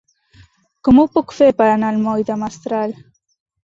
Com ho puc fer per anar al moll de Mestral?